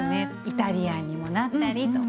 イタリアンにもなったりとか。